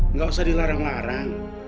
nggak usah dilarang larang